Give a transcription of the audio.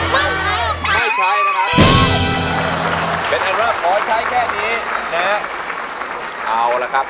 ไม่ใช้นะครับเป็นแอร์แรกขอใช้แค่นี้นะเอาละครับ